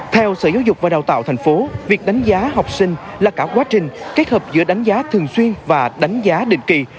theo sở giáo dục và đào tạo thành phố việc đánh giá học sinh là cả quá trình kết hợp giữa đánh giá thường xuyên và đánh giá định kỳ